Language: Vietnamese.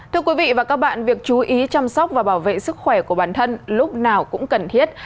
thưa quý vị và các bạn việc chú ý chăm sóc và bảo vệ sức khỏe của bản thân lúc nào cũng cần thiết